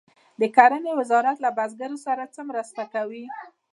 د کرنې وزارت له بزګرانو سره څه مرسته کوي؟